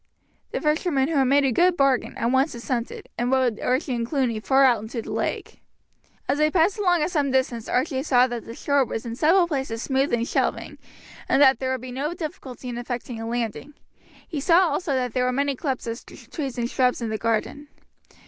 The fisherman, who had made a good bargain, at once assented, and rowed Archie and Cluny far out into the lake. As they passed along at some distance Archie saw that the shore was in several places smooth and shelving, and that there would be no difficulty in effecting a landing. He saw also that there were many clumps of trees and shrubs in the garden.